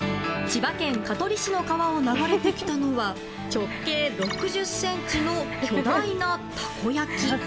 千葉県香取市の川を流れてきたのは直径６０ｃｍの巨大な、たこ焼き。